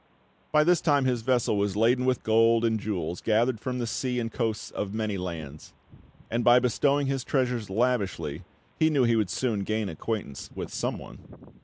By this time his vessel was laden with gold and jewels gathered from the sea and coasts of many lands; and by bestowing his treasures lavishly, he knew he would soon gain acquaintance with someone.